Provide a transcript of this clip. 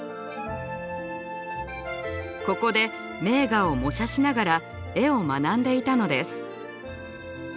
ここで名画を模写しながら絵を学んでいたのです。